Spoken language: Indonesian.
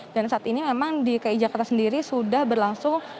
saat ini memang di ki jakarta sendiri sudah berlangsung